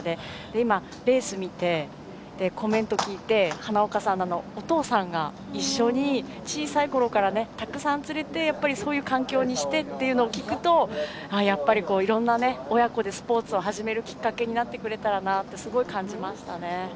今、レース見て、コメント聞いて花岡さんから、お父さんが一緒に小さいころからたくさん連れてそういう環境にしてというのを聞くとやっぱりいろんな親子でスポーツを始めるきっかけになってくれたらなってすごい感じましたね。